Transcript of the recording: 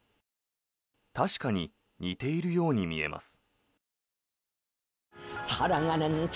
確かに似ているように見えます。